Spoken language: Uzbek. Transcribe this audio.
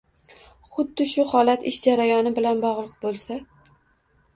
Huddi shu holat ish jarayoni bilan bog‘liq bo‘lsa